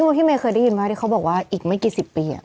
คิดว่าพี่เมย์เคยได้ยินไหมเพราะเขาบอกว่าอีกไม่กี่สิบปีอ่ะ